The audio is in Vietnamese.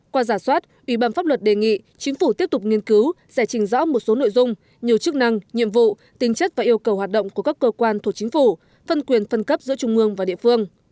qua giả soát ủy ban pháp luật đề nghị chính phủ tiếp tục nghiên cứu giải trình rõ một số nội dung nhiều chức năng nhiệm vụ tính chất và yêu cầu hoạt động của các cơ quan thuộc chính phủ phân quyền phân cấp giữa trung ương và địa phương